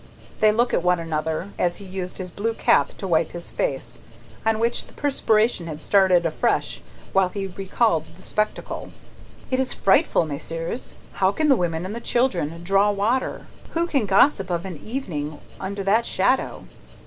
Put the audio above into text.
They looked at one another, as he used his blue cap to wipe his face, on which the perspiration had started afresh while he recalled the spectacle. "It is frightful, messieurs. How can the women and the children draw water! Who can gossip of an evening, under that shadow!